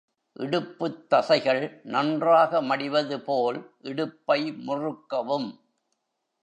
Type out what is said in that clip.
இடுப்புத் தசைகள் நன்றாக மடிவது போல் இடுப்பை முறுக்கவும்.